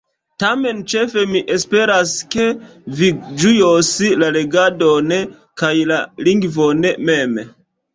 Tamen ĉefe mi esperas, ke vi ĝuos la legadon, kaj la lingvon mem.